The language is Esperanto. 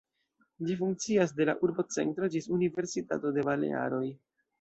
Ĝi funkcias de la urbocentro ĝis Universitato de Balearoj.